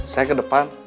saya ke depan